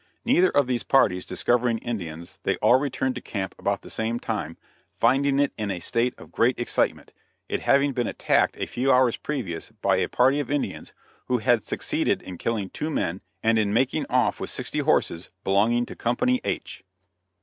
Neither of these parties discovering Indians they all returned to camp about the same time, finding it in a state of great excitement, it having been attacked a few hours previous by a party of Indians, who had succeeded in killing two men and in making off with sixty horses belonging to Co. H.